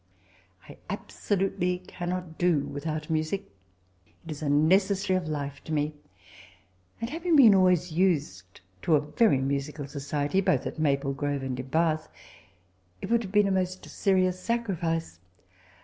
I abso lutely cannot do without music; it is a necessary of life to me; and having always been used to a veiy musical so ciety, both at Maple Grove and in Bath, it would have been a most serious sacri fice.